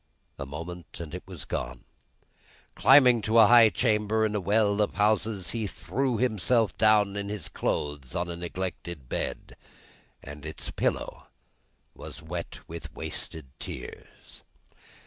A moment, and it was gone. Climbing to a high chamber in a well of houses, he threw himself down in his clothes on a neglected bed, and its pillow was wet with wasted tears.